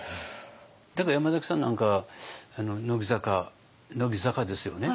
だから山崎さんなんかあの乃木坂乃木坂ですよね？